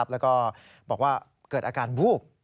แล้วก็บอกว่าเกิดอาการวูบ